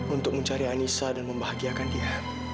untuk mencari anissa dan membahagiakan dia